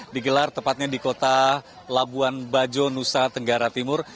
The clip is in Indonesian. digelar tepatnya di kota labuan bajo nusa tenggara timur